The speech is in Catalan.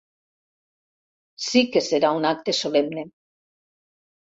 Sí que serà un acte solemne.